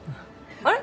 あれ？